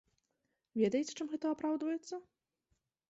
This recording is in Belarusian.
Ведаеце, чым гэта апраўдваецца?